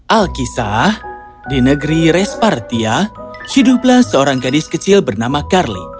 alkisah di negeri respartia hiduplah seorang gadis kecil bernama carly